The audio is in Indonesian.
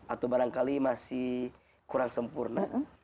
atau barangkali masih kurang sempurna